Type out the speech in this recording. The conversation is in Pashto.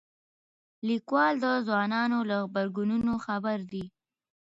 لیکوال د ځوانانو له غبرګونونو خبر دی.